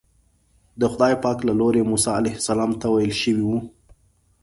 د خدای پاک له لوري موسی علیه السلام ته ویل شوي وو.